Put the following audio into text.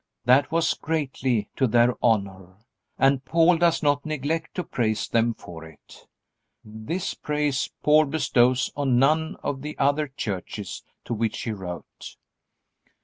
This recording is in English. That was greatly to their honor. And Paul does not neglect to praise them for it. This praise Paul bestows on none of the other churches to which he wrote.